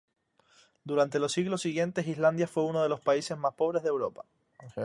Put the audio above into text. Durante los siglos siguientes, Islandia fue uno de los países más pobres de Europa.